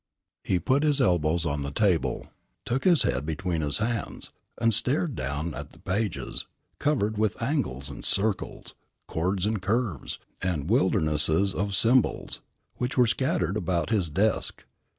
He put his elbows on the table, took his head between his hands, and stared down at the pages covered with angles and circles, chords and curves, and wildernesses of symbols, which were scattered about his desk.